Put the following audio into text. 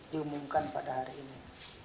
diumumkan pada hari ini